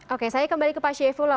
oke saya kembali ke pak syaifullah